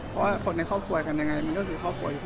เพราะคนในครอบครัวกันยังไงคือครอบครัวอีกที